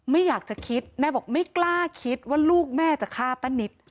ไม่อยากจะคิดแม่บอกไม่กล้าคิดว่าลูกแม่จะฆ่าป้านิต